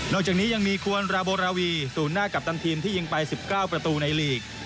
จากนี้ยังมีควรราโบราวีศูนย์หน้ากัปตันทีมที่ยิงไป๑๙ประตูในลีก